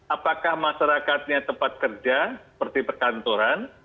apakah masyarakatnya tempat kerja seperti perkantoran